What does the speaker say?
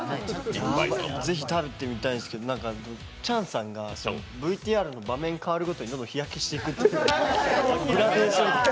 ぜひ食べてみたいですけど、チャンさんがＶＴＲの場面変わるごとにどんどん日焼けしていくっていうグラデーションが。